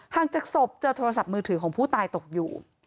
จากศพเจอโทรศัพท์มือถือของผู้ตายตกอยู่